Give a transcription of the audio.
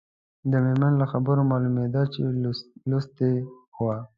د مېرمنې له خبرو معلومېده چې لوستې وه.